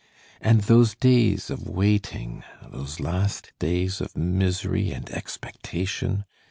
And those days of waiting, those last days of misery and expectation!